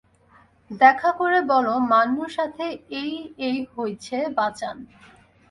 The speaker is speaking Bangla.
দেখা করে বলো, মান্নুর সাথে এই এই হইছে, বাঁচান।